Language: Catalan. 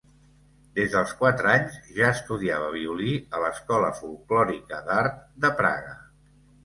Des dels quatre anys ja estudiava violí a l'Escola Folklòrica d'Art de Praga.